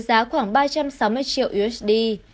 trả với giá khoảng ba trăm sáu mươi triệu usd